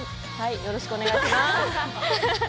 よろしくお願いします。